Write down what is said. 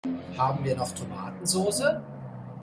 Haben wir noch Tomatensoße?